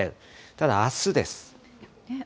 ただあすです。